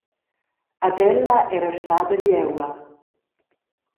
Ed ella era stada vieua.